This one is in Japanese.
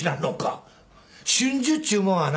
真珠っちゅうもんはな。